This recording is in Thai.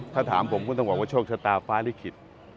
ถ้าถามผมก็ต้องบอกว่าโชคชะตาฟ้าลิขิต